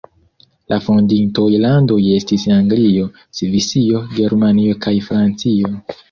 La fondintoj landoj estis Anglio, Svisio, Germanio kaj Francio.